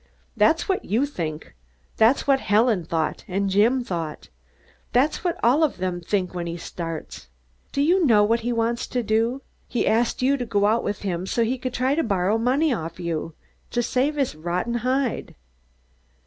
"That's what you think. That's what Helen thought and Jim thought. That's what all of them think when he starts. Do you know what he wants to do? He asked you to go out with him so he could try to borrow money of you, to save his rotten hide."